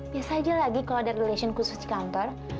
biasa aja lagi kalau ada relation khusus di kantor